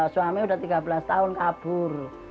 suami sudah tiga belas tahun kabur